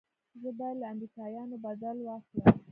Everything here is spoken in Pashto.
زه بايد له امريکايانو بدل واخلم.